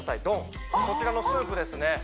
ドンこちらのスープですね